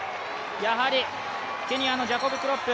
やはりケニアのジャコブ・クロップ